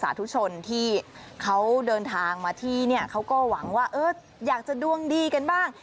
ธุชนที่เขาเดินทางมาที่เนี่ยเขาก็หวังว่าเอออยากจะดวงดีกันบ้าง